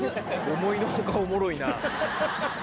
思いの外おもろいな。